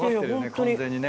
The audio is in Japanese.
完全にね。